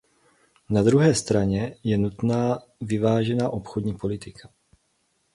Na druhé straně je nutná vyvážená obchodní politika.